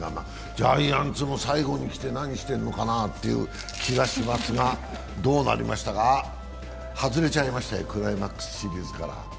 ジャイアンツも最後に来て何してるのかなという気がしますが、どうなりましたか、外れちゃいましたよ、クライマックスシリーズから。